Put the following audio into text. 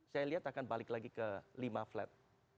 saya lihat akan balik lagi ke lima flat